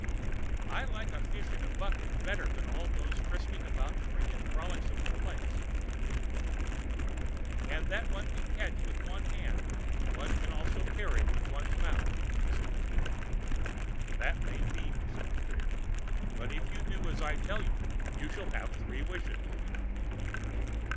"I like a fish in the bucket better than all those frisking about free and frolicsome in the lakes," said the old woman. "And what one can catch with one hand, one can also carry to one's mouth," she said. "That may be," said the fish; "but if you do as I tell you, you shall have three wishes."